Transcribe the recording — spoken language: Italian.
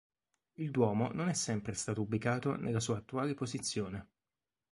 Il Duomo non è sempre stato ubicato nella sua attuale posizione.